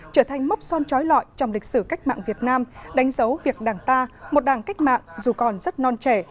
trở thành mốc son trói lọi trong lịch sử cách mạng việt nam đánh dấu việc đảng ta một đảng cách mạng dù còn rất non trẻ